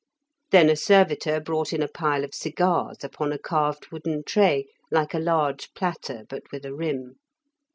Then a servitor brought in a pile of cigars upon a carved wooden tray, like a large platter, but with a rim.